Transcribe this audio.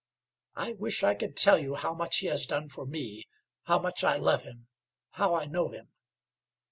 I wish I could tell you how much he has done for me, how much I love him, how I know him!